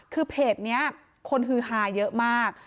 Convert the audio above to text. คือเพจนี้คนฮือฮาเยอะมาก